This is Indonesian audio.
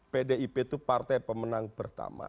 pdip itu partai pemenang pertama